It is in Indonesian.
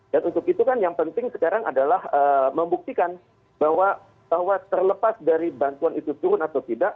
dan untuk itu kan yang penting sekarang adalah membuktikan bahwa terlepas dari bantuan itu turun atau tidak